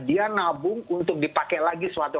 dia nabung untuk dipakai lagi suatu